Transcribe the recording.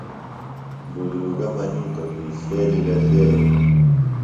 بُزرگہ منِیتوۡ کیۡ چھیلیۡ لسے ہنیۡ